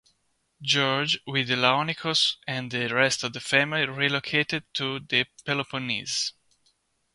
George with Laonikos and the rest of the family relocated to the Peloponnese.